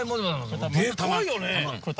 でかいよね！